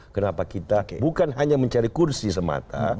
kenapa kita bukan hanya mencari kursi semata